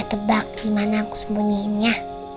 ya tebak dimana aku sembunyikannya